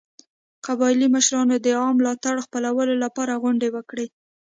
قبایلي مشرانو د عامه ملاتړ خپلولو لپاره غونډې وکړې.